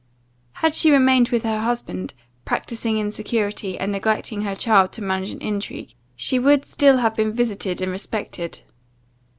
Had she remained with her husband, practicing insincerity, and neglecting her child to manage an intrigue, she would still have been visited and respected.